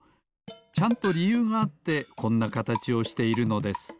ちゃんとりゆうがあってこんなかたちをしているのです。